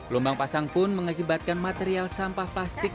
lubang pasang pun mengakibatkan material sampah plastik